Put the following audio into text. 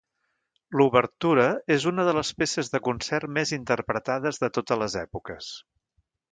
L'obertura és en una de les peces de concert més interpretades de totes les èpoques.